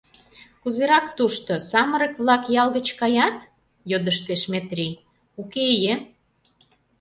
— Кузерак тушто, самырык-влак ял гыч каят? — йодыштеш Метрий, — Уке, ие?